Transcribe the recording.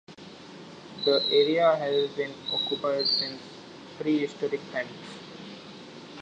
The area has been occupied since prehistoric times.